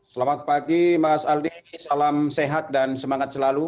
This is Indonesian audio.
selamat pagi mas aldi salam sehat dan semangat selalu